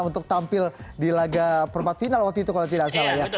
untuk tampil di laga perempat final waktu itu kalau tidak salah ya